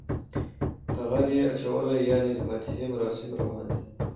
ټغر یی اچولی یعنی د فاتحی مراسم روان دی